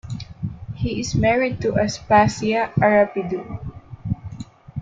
He is married to Aspasia Arapidou.